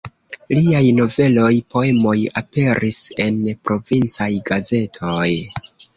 Liaj noveloj, poemoj aperis en provincaj gazetoj.